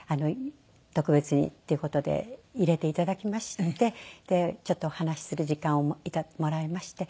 特別にっていう事で入れて頂きましてちょっとお話しする時間をもらいまして。